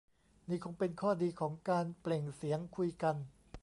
นี่คงเป็นข้อดีของการ "เปล่งเสียง" คุยกัน